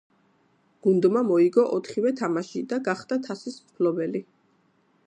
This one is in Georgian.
გუნდმა მოიგო ოთხივე თამაში და გახდა თასის მფლობელი.